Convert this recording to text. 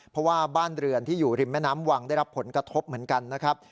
เพราะว่าบ้านเรือนที่อยู่ริมแม่น้ำวังได้รับผลกระทบเหมือนกันนะครับ